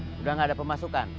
sudah enggak ada pemasukan